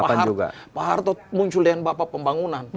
pak harto muncul dengan bapak pembangunan